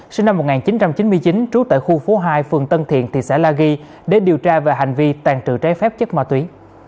sinh năm một nghìn chín trăm chín mươi chín trú tại khu phố hai phường tân thiện thị xã la ghi để điều tra về hành vi tàn trự trái phép chất ma túy